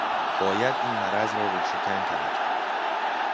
باید این مرض را ریشه کن کرد